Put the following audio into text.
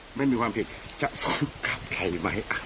ถ้าไม่มีความผิดจะฟ้องกับใครหรือไม่